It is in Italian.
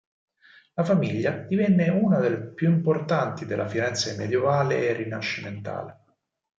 La famiglia divenne una delle più importanti della Firenze medievale e rinascimentale.